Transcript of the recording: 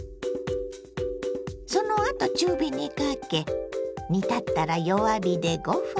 そのあと中火にかけ煮立ったら弱火で５分。